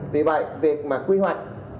vì vậy việc mà quy hoạch